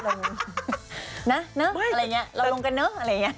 ลงนะอะไรอย่างนี้เราลงกันเนอะอะไรอย่างนี้